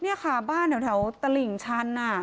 นี่ค่ะบ้านแถวตลิ่งชัน